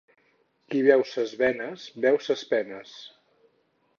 Qui veu ses venes veu ses penes.